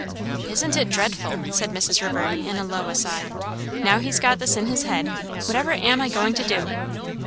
"Isn't it dreadful!" said Mrs. Reverdy in a low aside. "Now he's got this in his head whatever am I going to do?